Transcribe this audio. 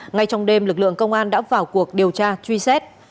ngay trong đêm lực lượng công an đã vào cuộc điều tra truy xét